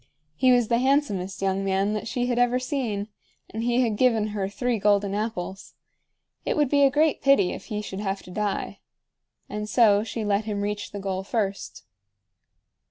He was the handsomest young man that she had ever seen, and he had given her three golden apples. It would be a great pity if he should have to die. And so she let him reach the goal first.